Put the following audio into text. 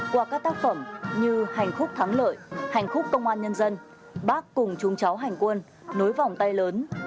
qua các tác phẩm như hành khúc thắng lợi hành khúc công an nhân dân bác cùng chúng cháu hành quân nối vòng tay lớn